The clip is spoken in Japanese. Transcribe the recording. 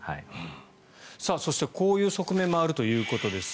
そして、こういう側面もあるということです。